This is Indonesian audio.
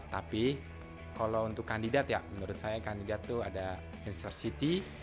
tapi kalau untuk kandidat ya menurut saya kandidat itu ada uncer city